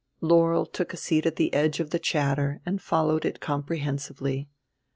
Laurel took a seat at the edge of the chatter and followed it comprehensively.